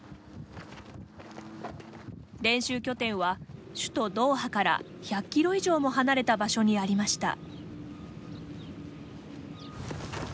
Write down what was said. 練習拠点は首都ドーハから１００キロ以上も離れた場所にありました。